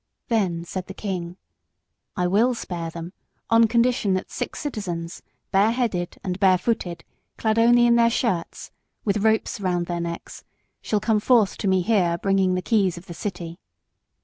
Then said the king "I will spare them on condition that six citizens, bare headed and bare footed, clad only in their shirts, with ropes round their necks, shall come forth to me here, bringing the keys of the city."